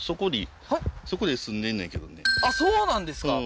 ないあっそうなんですか？